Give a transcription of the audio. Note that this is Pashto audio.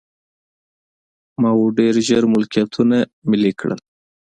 ماوو ډېر ژر ملکیتونه ملي کړل.